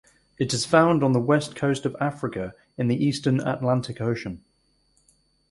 It is found on the west coast of Africa in the eastern Atlantic Ocean.